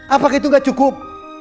apakah itu gak cukup